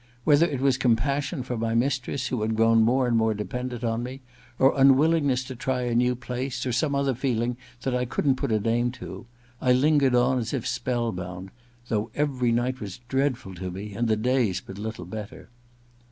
Whether it was compassion for my mistress, who had grown more and more dependent on me, or unwillingness to try a new place, or some other feeling that I couldn't put a name to, I lingered on as if spell bound, though every night was dreadful to me, and the days but little better.